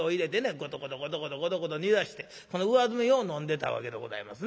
コトコトコトコトコトコト煮出してこの上澄みを飲んでたわけでございますな。